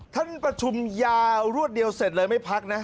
ท่านประชุมยาวรวดเดียวเสร็จเลยไม่พักนะ